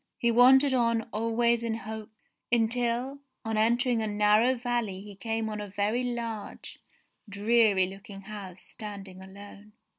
He wandered on always in hopes, until on entering a narrow valley he came on a very large, dreary looking house standing alone.